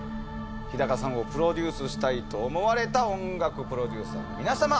樋さんをプロデュースしたいと思われた音楽プロデューサーの皆様